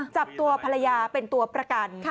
จับตัวภรรยาเป็นตัวประกัน